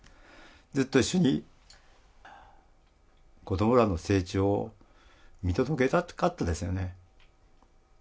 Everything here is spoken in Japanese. ずっと一緒に子どもらの成長を見届けたかったですよね。